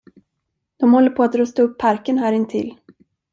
De håller på att rusta upp parken här intill.